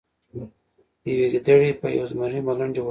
یوې ګیدړې په یو زمري ملنډې وهلې.